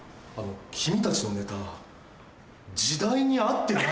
君たちのネタ時代に合ってないよ。